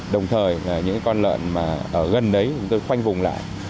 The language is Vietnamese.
đồng thời những con lợn ở gần đấy chúng tôi khoanh vùng lại